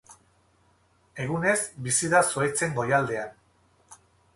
Egunez bizi da zuhaitzen goialdean.